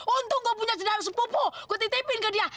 untung gue punya cedera sepupu gue titipin ke dia